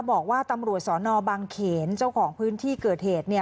บอกว่าตำรวจสนบางเขนเจ้าของพื้นที่เกิดเหตุ